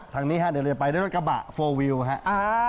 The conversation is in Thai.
ทางนี้ฮะเดี๋ยวเราไปด้วยรถกระบะ๔วิวฮะ